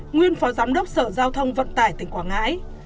nguyên phó giám đốc sở giao thông vận tải tỉnh quảng ngãi